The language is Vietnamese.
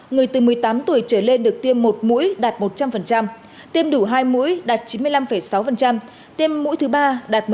người từ một mươi tám tuổi trở lên được tiêm một mũi đạt một trăm linh tiêm đủ hai mũi đạt chín mươi năm sáu tiêm mũi thứ ba đạt một mươi năm